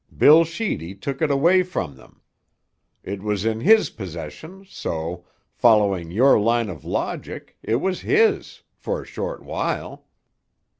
Bill Sheedy took it away from them. It was in his possession, so, following your line of logic, it was his—for a short while.